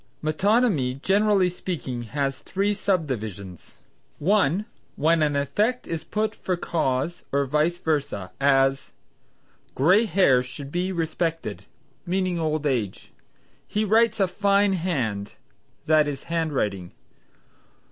Metonymy, generally speaking, has, three subdivisions: (1) when an effect is put for cause or vice versa: as "Gray hairs should be respected," meaning old age. "He writes a fine hand," that is, handwriting.